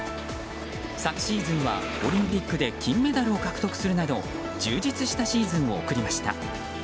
昨シーズンはオリンピックで金メダルを獲得するなど充実したシーズンを送りました。